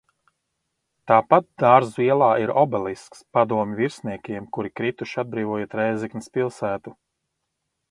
Tāpat Dārzu ielā ir obelisks padomju virsniekiem, kuri krituši atbrīvojot Rēzeknes pilsētu.